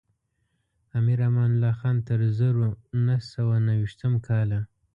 امیر امان الله خان تر زرو نهه سوه نهه ویشتم کاله.